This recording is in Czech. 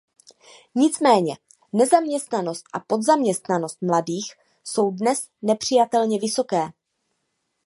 Nicméně nezaměstnanost a podzaměstnanost mladých jsou dnes nepřijatelně vysoké.